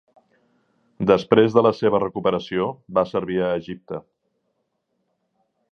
Després de la seva recuperació va servir a Egipte.